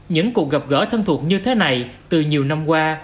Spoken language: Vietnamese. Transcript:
những cuộc gặp gỡ thân thuộc như thế này từ nhiều năm qua